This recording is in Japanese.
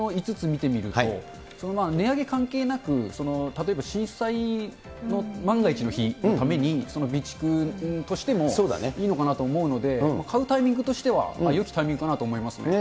よくよく、ランキングの５つ見てみると、値上げ関係なく、例えば震災の万が一の日のために、その備蓄としてもいいのかなと思うので、買うタイミングとしてはよきタイミングかなと思いますね。